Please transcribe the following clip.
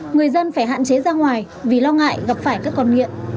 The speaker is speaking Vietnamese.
người dân phải hạn chế ra ngoài vì lo ngại gặp phải các con nghiện